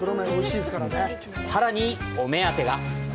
さらにお目当てが。